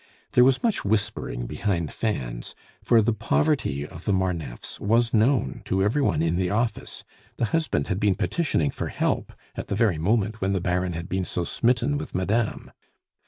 There was much whispering behind fans, for the poverty of the Marneffes was known to every one in the office; the husband had been petitioning for help at the very moment when the Baron had been so smitten with madame.